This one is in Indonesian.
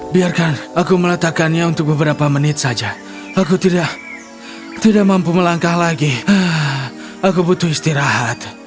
biarkan aku meletakkannya untuk beberapa menit saja aku tidak mampu melangkah lagi aku butuh istirahat